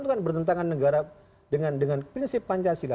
itu kan bertentangan negara dengan prinsip pancasila